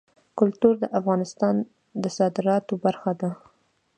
کلتور د افغانستان د صادراتو برخه ده.